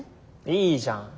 いいじゃん。